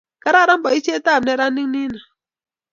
kararan boisietab neranik nino